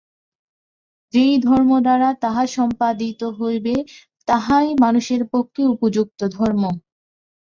যে ধর্ম দ্বারা তাহা সম্পাদিত হইবে, তাহাই মানুষের পক্ষে উপযুক্ত ধর্ম।